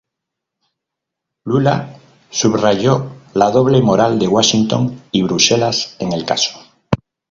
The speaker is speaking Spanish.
Lula subrayó la doble moral de Washington y Bruselas en el caso.